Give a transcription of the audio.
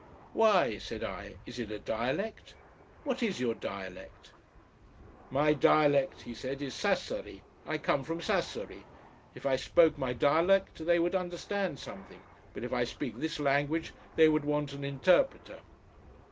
"Why?" said I. "Is it a dialect? What is your dialect?" "My dialect," he said, "is Sassari. I come from Sassari. If I spoke my dialect they would understand something. But if I speak this language they would want an interpreter."